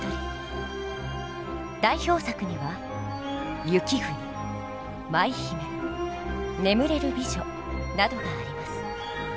代表作には「雪国」「舞姫」「眠れる美女」などがあります。